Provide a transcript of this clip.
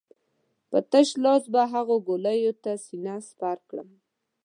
په تش لاس به هغو ګولیو ته سينه سپر کړم.